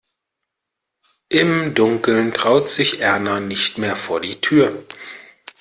Im Dunkeln traut sich Erna nicht mehr vor die Tür.